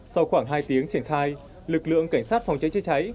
sau khoảng hai tiếng triển khai lực lượng cảnh sát phòng cháy chữa cháy